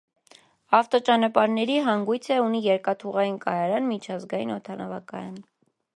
Ավտոճանապարհների հանգույց է, ունի երկաթուղային կայարան, միջազգային օդանավակայան։